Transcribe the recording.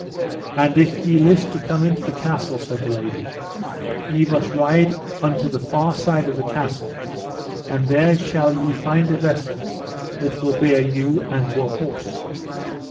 And if ye list to come into the castle, said the lady, ye must ride unto the further side of the castle and there shall ye find a vessel that will bear you and your horse.